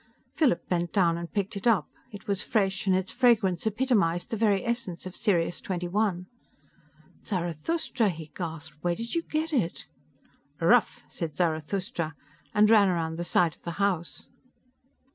Philip bent down and picked it up. It was fresh, and its fragrance epitomized the very essence of Sirius XXI. "Zarathustra," he gasped, "where did you get it?" "Ruf!" said Zarathustra, and ran around the side of the house.